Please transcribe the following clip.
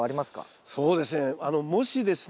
そうですね。